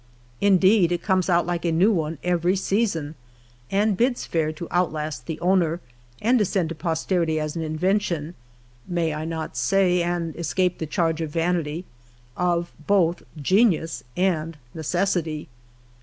Indeed, it comes out like a new one every season, and bids fair to outlast the owner, and descend to pos terity as an invention — may I not say, and escape the charge of vanity (— of both genius and necessity.